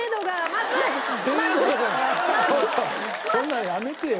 そんなやめてよ